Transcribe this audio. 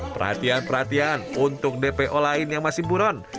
perhatian perhatian untuk dpo lain yang masih buron